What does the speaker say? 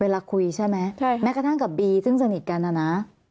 เวลาคุยใช่ไหมแม้กระทั่งกับบีซึ่งสนิทกันนะนะ